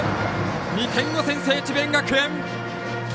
２点を先制、智弁学園。